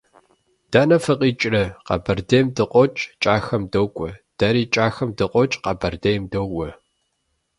- Дэнэ фыкъикӀрэ? - Къэбэрдейм дыкъокӀ, КӀахэм докӀуэ. - Дэри КӀахэм дыкъокӀ, Къэбэрдейм докӀуэ.